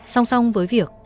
song song với việc